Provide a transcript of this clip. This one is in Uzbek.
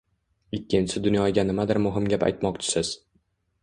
ikkinchisi dunyoga nimadir muhim gap aytmoqchisiz